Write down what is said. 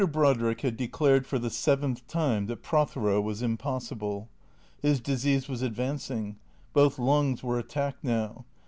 BEODRICK had declared for the seventh time that Prothero was impossible. His disease was advancing. Both lungs were attacked now.